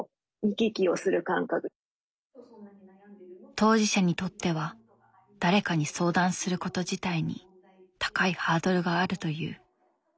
当事者にとっては誰かに相談すること自体に高いハードルがあるという。